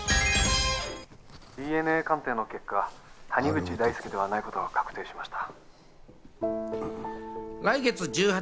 ＤＮＡ鑑定の結果、谷口大祐ではないことが確定しました。